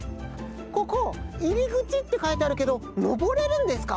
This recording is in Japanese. ここ「入口」ってかいてあるけどのぼれるんですか？